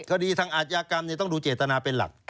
คดีทางอาชญากรรมต้องดูเจตนาเป็นหลัก